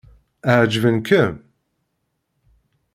Ɛeǧben-kem?